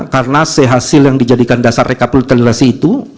karena sehasil yang dijadikan dasar rekapitulasi itu